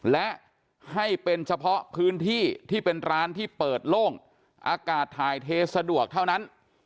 และให้เป็นเฉพาะพื้นที่ที่เป็นร้านที่เปิดโล่งอากาศถ่ายเทสะดวกเท่านั้น